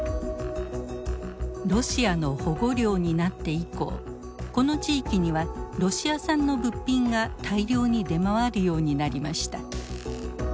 ロシアの保護領になって以降この地域にはロシア産の物品が大量に出回るようになりました。